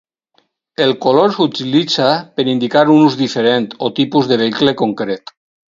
El color s'utilitza per indicar un ús diferent o tipus de vehicle concret.